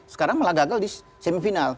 sekarang malah gagal di semifinal